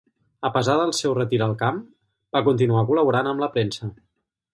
A pesar del seu retir al camp, va continuar col·laborant en la premsa.